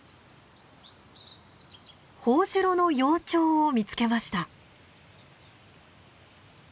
ホオジロの幼鳥を見つけました。